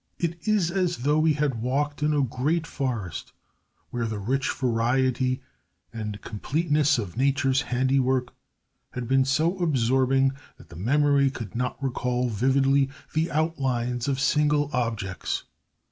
It is as though we had walked in a great forest where the rich variety and completeness of nature's handiwork had been so absorbing that the memory could not recall vividly the outlines of single objects.